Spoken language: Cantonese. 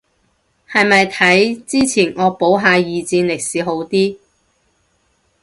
係咪睇之前惡補下二戰歷史好啲